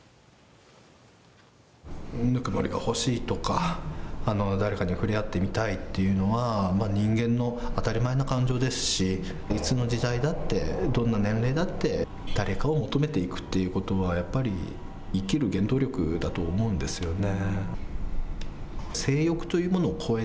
ぬくもりが欲しいとか、誰かに触れ合ってみたいというのは、人間の当たり前の感情ですし、いつの時代だってどんな年齢だって、誰かを求めていくってことは、やっぱり生きる原動力だと思うんですよね。